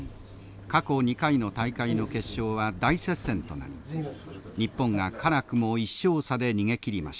過去２回の大会の決勝は大接戦となり日本が辛くも１勝差で逃げきりました。